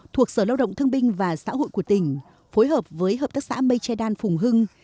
thuộc sở lao động thương binh và xã hội của tỉnh phối hợp với hợp tác xã mechidan phùng hưng